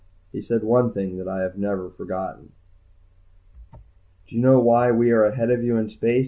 He said one thing that I had never forgotten. "Do you know why we are ahead of you in space?"